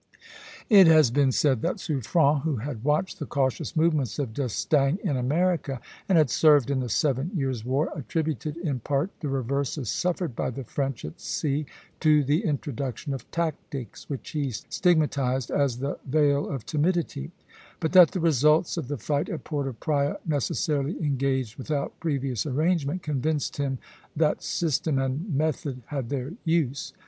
It has been said that Suffren, who had watched the cautious movements of D'Estaing in America, and had served in the Seven Years' War, attributed in part the reverses suffered by the French at sea to the introduction of Tactics, which he stigmatized as the veil of timidity; but that the results of the fight at Porto Praya, necessarily engaged without previous arrangement, convinced him that system and method had their use.